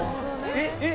えっ？えっ？